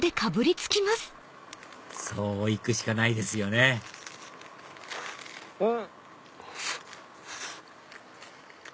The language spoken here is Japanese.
そういくしかないですよねうん！